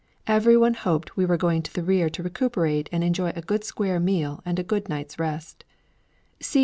Every one hoped we were going to the rear to recuperate and enjoy a good square meal and a good night's rest.